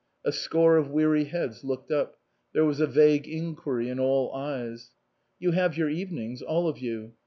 A score of weary heads looked up ; there was a vague inquiry in all eyes. "You have your evenings all of you.